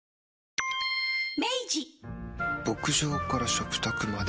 牧場から食卓まで。